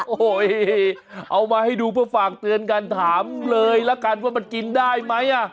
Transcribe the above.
โอ้โหเอามาให้ดูเพื่อฝากเตือนกันถามเลยละกันว่ามันกินได้ไหมอ่ะ